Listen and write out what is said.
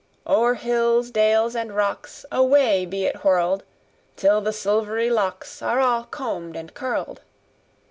O'er hills, dales, and rocks, Away be it whirl'd Till the silvery locks Are all comb'd and curl'd!